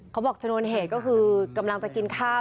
ชนวนเหตุก็คือกำลังจะกินข้าว